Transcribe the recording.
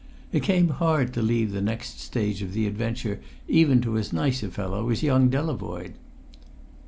It came hard to leave the next stage of the adventure even to as nice a fellow as young Delavoye.